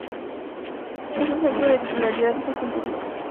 Es un centro de titularidad y gestión públicas.